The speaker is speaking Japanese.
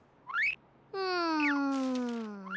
うん。